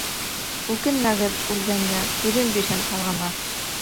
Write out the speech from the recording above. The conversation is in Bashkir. Үкенмәгеҙ үлгәнгә, түҙем бирһен ҡалғанға.